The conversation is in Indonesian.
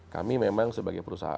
kami memang sebagai perusahaan